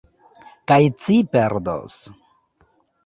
Kaj ci perdos.